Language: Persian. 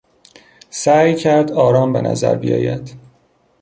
سعی کرد آرام بنظر بیاید.